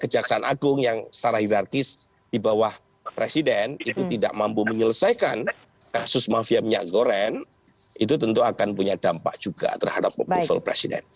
kejaksaan agung yang secara hirarkis di bawah presiden itu tidak mampu menyelesaikan kasus mafia minyak goreng itu tentu akan punya dampak juga terhadap presiden